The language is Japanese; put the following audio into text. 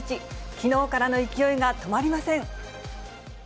きのうからの勢いが止まりません。